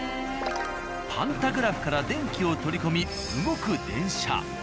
パンタグラフから電気を取り込み動く電車。